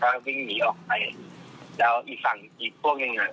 มันก็วิ่งหนีออกไปแล้วอีกส่างอีกพวกกัน